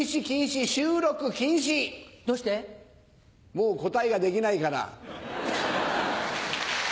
もう答えができないから。